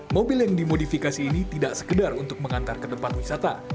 mobil yang dimodifikasi ini tidak sekedar untuk mengantar ke tempat wisata